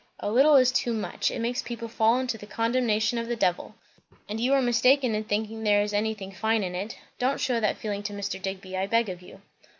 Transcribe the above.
"A little is too much. It makes people fall into the condemnation of the devil. And you are mistaken in thinking there is anything fine in it. Don't shew that feeling to Mr. Digby, I beg of you."